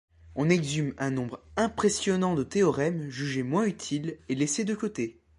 On exhume un nombre impressionnant de théorèmes jugés moins utiles et laissés de côté.